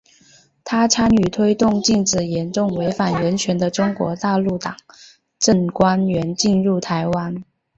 她参与推动禁止严重违反人权的中国大陆党政官员进入台湾。